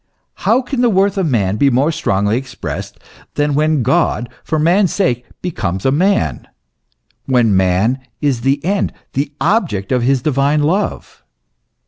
How can the worth of man be more strongly expressed than when God, for man's sake, becomes a man, when man is the end, the object of the divine love